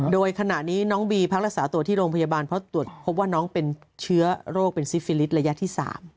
โดยขณะนี้น้องบีพักรักษาตัวที่โรงพยาบาลเพราะตรวจพบว่าน้องเป็นเชื้อโรคเป็นซิฟิลิสระยะที่๓